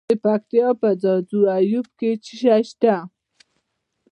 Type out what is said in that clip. د پکتیا په ځاځي اریوب کې څه شی شته؟